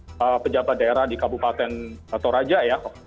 sebagai pejabat daerah di kabupaten toraja ya